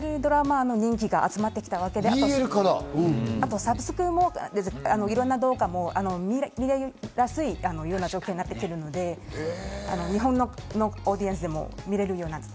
ＢＬドラマで人気が集まってきたということで、あとサブスクも、いろんな動画も見やすい状況になってきてるので、日本のオーディエンスでも。